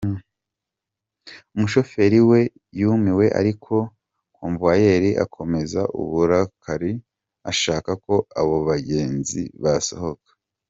Umushoferi we yumiwe ariko Convoyeur akomeza uburakari ashaka ko abo bagenzi basohoka.